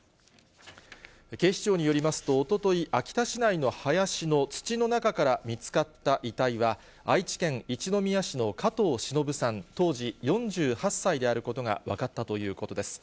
警視庁によりますと、おととい、秋田市内の林の土の中から見つかった遺体は、愛知県一宮市の加藤しのぶさん当時４８歳であることが分かったということです。